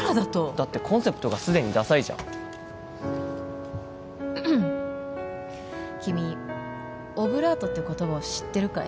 だってコンセプトがすでにダサいじゃん君オブラートっていう言葉を知ってるかい？